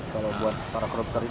kalau buat para koruptor itu